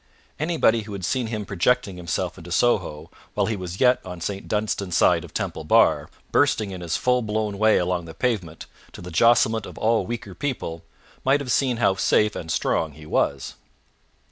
Anybody who had seen him projecting himself into Soho while he was yet on Saint Dunstan's side of Temple Bar, bursting in his full blown way along the pavement, to the jostlement of all weaker people, might have seen how safe and strong he was.